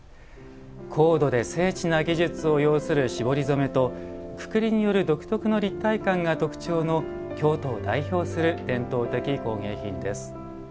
高度で精緻な技術を要する絞り染めとくくりによる独特の立体感が特徴の京都を代表する伝統的工芸品です。